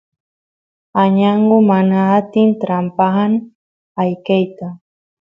añangu mana atin trampaan ayqeyta